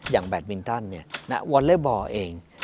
อย่างแบทวินตันเนี่ยวอลเลฟบอลเอง